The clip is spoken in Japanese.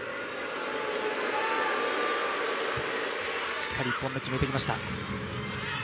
しっかり１本目、決めてきました。